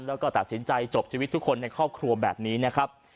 แล้วก็ตัดสินใจจบชีวิตทุกคนในครอบครัวแบบนี้นะครับ